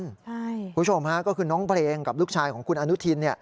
คุณผู้ชมฮะก็คือน้องเพลงกับลูกชายของคุณอนุทิน